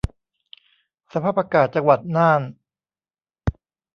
สภาพอากาศจังหวัดน่าน